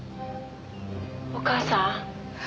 「お母さん」